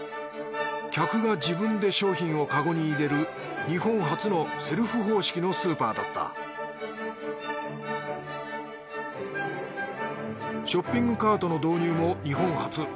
客が自分で商品をカゴに入れる日本初のセルフ方式のスーパーだったショッピングカートの導入も日本初。